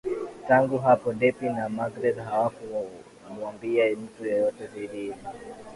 Tangu hapo Debby na magreth hawakumwambia mtu yeyote siri ile